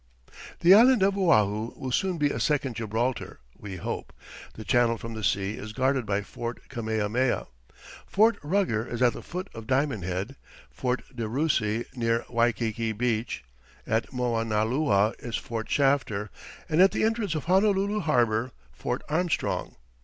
The island of Oahu will soon be a second Gibraltar, we hope. The channel from the sea is guarded by Fort Kamehameha. Fort Ruger is at the foot of Diamond Head, Fort DeRussy near Waikiki Beach; at Moanalua is Fort Shafter, and at the entrance of Honolulu Harbour, Fort Armstrong.